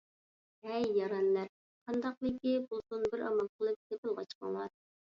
ھەي يارەنلەر! قانداقلىكى بولسۇن بىر ئامال قىلىپ سېپىلغا چىقىڭلار.